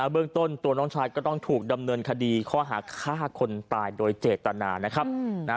เบื้องต้นตัวน้องชายก็ต้องถูกดำเนินคดีข้อหาฆ่าคนตายโดยเจตนานะครับ